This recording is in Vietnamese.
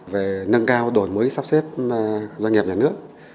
về nâng cao đổi mới sắp xếp doanh nghiệp nhà nước